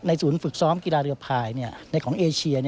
ศูนย์ฝึกซ้อมกีฬาเรือภายในของเอเชีย